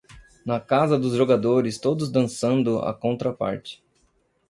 Na casa dos jogadores todos dançando a contraparte.